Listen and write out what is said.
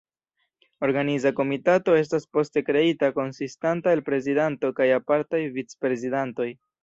Organiza Komitato estas poste kreita, konsistanta el prezidanto kaj apartaj vic-prezidantoj.